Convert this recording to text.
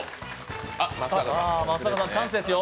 松坂さん、チャンスですよ。